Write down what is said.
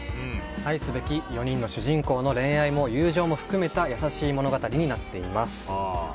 愛すべき４人の主人公の恋愛も友情も含めた優しい物語になっています。